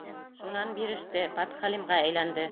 Шунан биреште, подхалимға әйләнде.